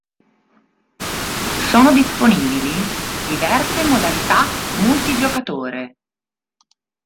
Sono disponibili diverse modalità multigiocatore.